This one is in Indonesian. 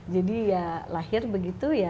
jadi lahir begitu